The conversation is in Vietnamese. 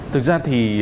thực ra thì